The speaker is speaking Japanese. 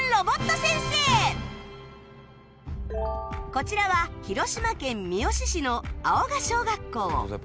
こちらは広島県三次市の青河小学校